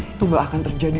itu gak akan terjadi